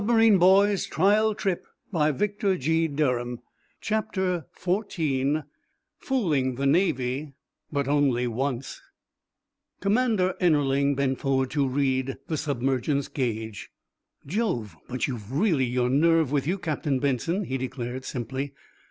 He was waiting for the word or the bottom! CHAPTER XIV FOOLING THE NAVY, BUT ONLY ONCE Commander Ennerling bent forward to read the submergence gauge. "Jove, but you've really your nerve with you, Captain Benson," he declared, simply.